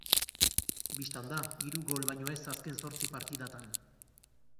Bistan da, hiru gol baino ez azken zortzi partidatan.